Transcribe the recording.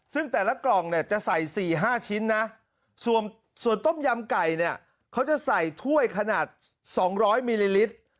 ซึ่งแต่ละกล่องเนี่ยจะใส่๔๕ชิ้นนะส่วนต้มยำไก่เนี่ยเขาจะใส่ถ้วยขนาด๒๐๐มิลลิลิตร